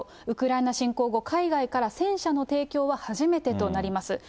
ウクライナ侵攻後、海外から戦車の提供は初めてとなります。